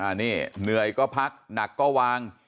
เหนื่อยก็พักหนักก็วาง